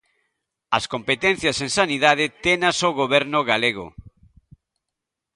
¡As competencias en sanidade tenas o Goberno galego!